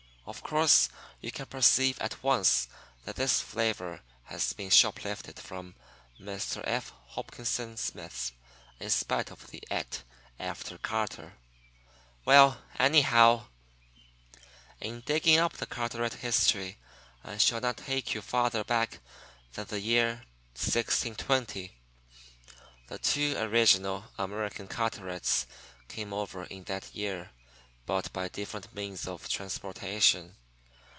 (Of course you can perceive at once that this flavor has been shoplifted from Mr. F. Hopkinson Smith, in spite of the "et" after "Carter.") Well, anyhow: In digging up the Carteret history I shall not take you farther back than the year 1620. The two original American Carterets came over in that year, but by different means of transportation.